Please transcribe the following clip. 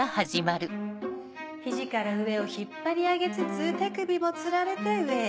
肘から上を引っ張り上げつつ手首もつられて上へ。